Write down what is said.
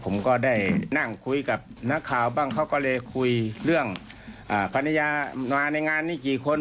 ผมก็ได้นั่งคุยกับนักข่าวบ้างเขาก็เลยคุยเรื่องภรรยามาในงานนี้กี่คน